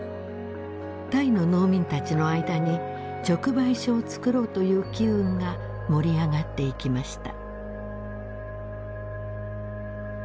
タイの農民たちの間に直売所を作ろうという機運が盛り上がっていきました。